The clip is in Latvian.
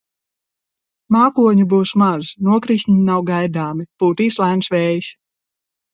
Mākoņu būs maz, nokrišņi nav gaidāmi, pūtīs lēns vējš.